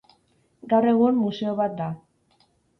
Gaur egun museo bat da.